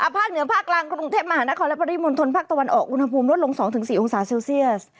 ภาคเหนือภาคกลางกรุงเทพมหานครและปริมณฑลภาคตะวันออกอุณหภูมิลดลง๒๔องศาเซลเซียส